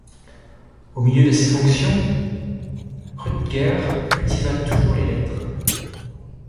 Au milieu de ses fonctions, Rutgers cultiva toujours les lettres.